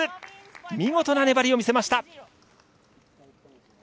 見事な粘りを見せました。